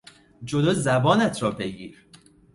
جلو زبانت را بگیر!